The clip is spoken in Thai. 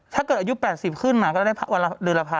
ถ้าเกิดอายุ๘๐ขึ้นมาก็ได้วันเดือนละ๑๐๐